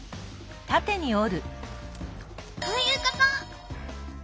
こういうこと！